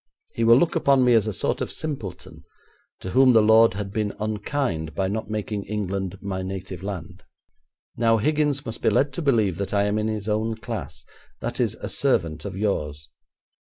He will look upon me as a sort of simpleton to whom the Lord had been unkind by not making England my native land. Now, Higgins must be led to believe that I am in his own class; that is, a servant of yours.